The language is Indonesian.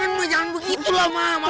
jangan jangan begitu lah